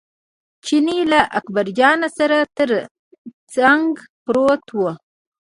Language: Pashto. چیني له اکبرجان سره تر څنګ پروت و.